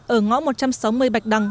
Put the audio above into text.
ở ngõ một trăm sáu mươi bạch đằng